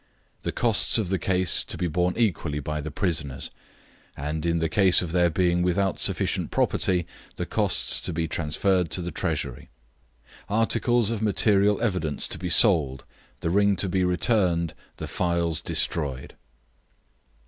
The costs of the case to be borne equally by the prisoners; and, in the case of their being without sufficient property, the costs to be transferred to the Treasury. Articles of material evidence to be sold, the ring to be returned, the phials destroyed."